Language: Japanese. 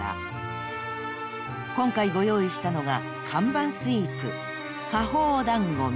［今回ご用意したのが看板スイーツ］